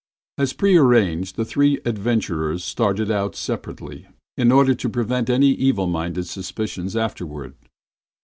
As prearranged, the three adventurers started out separately in order to prevent any evil minded suspicions afterward.